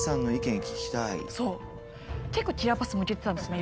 そう結構キラーパス向けてたんですね